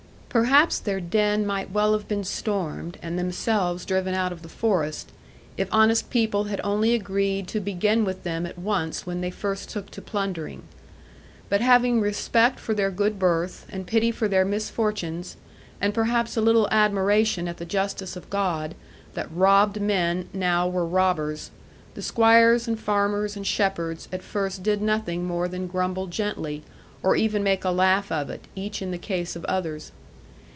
Perhaps their den might well have been stormed, and themselves driven out of the forest, if honest people had only agreed to begin with them at once when first they took to plundering. But having respect for their good birth, and pity for their misfortunes, and perhaps a little admiration at the justice of God, that robbed men now were robbers, the squires, and farmers, and shepherds, at first did nothing more than grumble gently, or even make a laugh of it, each in the case of others.